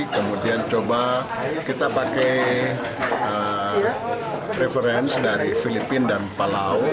kemudian coba kita pakai reference dari filipina dan palau